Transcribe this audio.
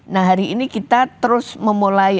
nah hari ini kita terus memulai